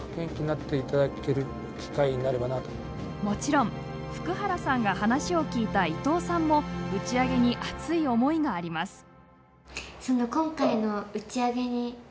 もちろん福原さんが話を聞いた伊藤さんも打ち上げに熱い思いがあります。